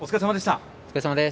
お疲れさまです。